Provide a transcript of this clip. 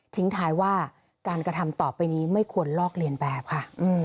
ท้ายว่าการกระทำต่อไปนี้ไม่ควรลอกเลียนแบบค่ะ